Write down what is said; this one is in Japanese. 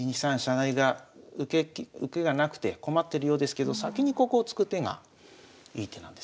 成が受けがなくて困ってるようですけど先にここを突く手がいい手なんですね。